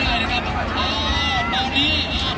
มาแล้วครับพี่น้อง